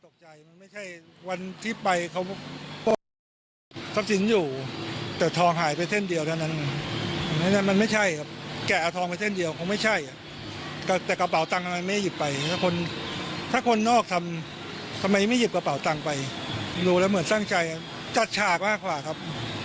การที่ตายมันจะฉากมากกว่าครับ